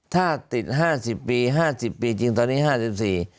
ถ้าติด๕๐ปี๕๐ปีจริงตอนนี้๕๔